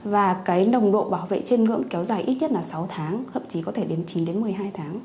và cái nồng độ bảo vệ trên ngưỡng kéo dài ít nhất là sáu tháng thậm chí có thể đến chín một mươi hai tháng